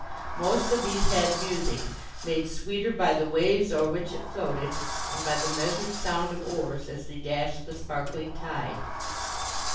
Most of these had music, made sweeter by the waves over which it floated, and by the measured sound of oars, as they dashed the sparkling tide.